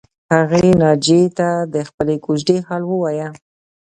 هغې ناجیې ته د خپلې کوژدې حال ووایه